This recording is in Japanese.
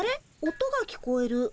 音が聞こえる。